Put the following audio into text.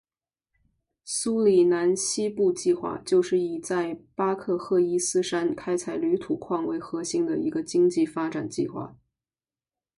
苏里南西部计划就是以在巴克赫伊斯山开采铝土矿为核心的一个经济发展计划。